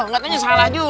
gak tanya salah juga